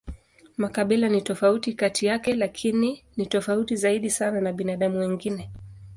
Makabila ni tofauti kati yake, lakini ni tofauti zaidi sana na binadamu wengine.